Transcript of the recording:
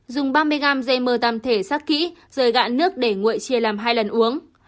dùng ba mươi g dây mơ tăm thể sắc kỹ rời gạn nước để nguội chia làm hai lần uống